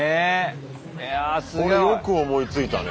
これよく思いついたね。